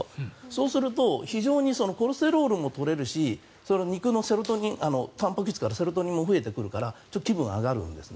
そうすると非常にコレステロールも取れるし肉のセロトニンたんぱく質からセロトニンも増えてくるから気分が上がるんです。